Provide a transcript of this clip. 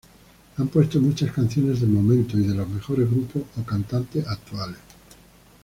Han puesto muchas canciones del momento y de los mejores grupos o cantantes actuales.